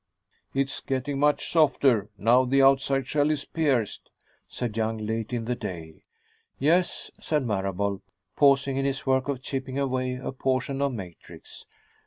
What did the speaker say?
"It's getting much softer, now the outside shell is pierced," said Young, late in the day. "Yes," said Marable, pausing in his work of chipping away a portion of matrix.